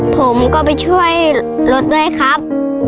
ผมก็ไปช่วยรถด้วยครับ